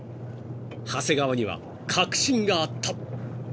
［長谷川には確信があった］